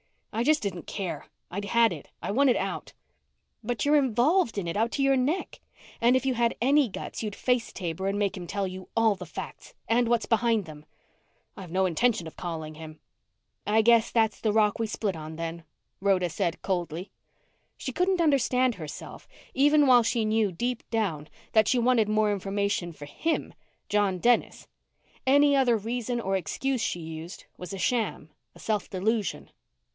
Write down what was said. "I just didn't care. I'd had it. I wanted out." "But you're involved in it, up to your neck, and if you had any guts you'd face Taber and make him tell you all the facts and what's behind them." "I have no intention of calling him." "I guess that's the rock we split on then," Rhoda said coldly. She couldn't understand herself, even while she knew, deep down, that she wanted more information for him John Dennis. Any other reason or excuse she used was a sham, a self delusion.